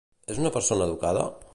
És una persona educada?